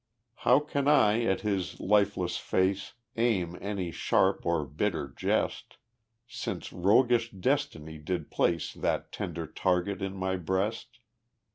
How can I at his lifeless face Aim any sharp or bitter jest, Since roguish destiny did place That tender target in my breast?